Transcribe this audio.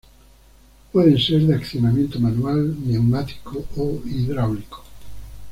Pueden ser de accionamiento manual, neumático o hidráulico.